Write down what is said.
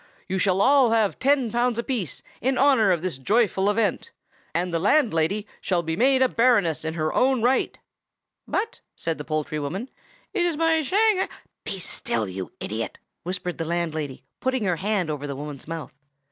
You shall all have ten pounds apiece, in honor of this joyful event, and the landlady shall be made a baroness in her own right!" "But," said the poultry woman, "it is my Shang—" "Be still, you idiot!" whispered the landlady, putting her hand over the woman's mouth.